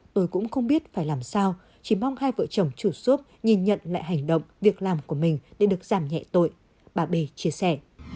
tôi cũng không biết phải làm sao chỉ mong hai vợ chồng chủ nhìn nhận lại hành động việc làm của mình để được giảm nhẹ tội bà bề chia sẻ